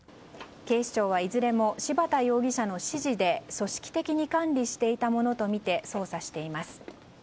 警視庁はいずれも柴田容疑者の指示で組織的に管理していたものとみて捜査しています。